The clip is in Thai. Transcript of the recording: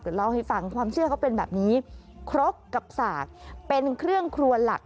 เดี๋ยวเล่าให้ฟังความเชื่อเขาเป็นแบบนี้ครกกับสากเป็นเครื่องครัวหลัก